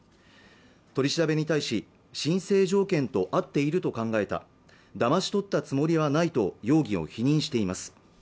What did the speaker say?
取り調べに対し申請条件と合っていると考えただまし取ったつもりはないと容疑を否認しています